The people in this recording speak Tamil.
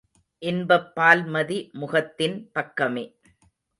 இன்பப் பால்மதி முகத்தின் பக்கமே.